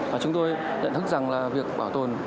và chúng tôi nhận thức rằng việc bảo tồn